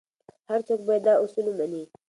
هر څوک باید دا اصول ومني.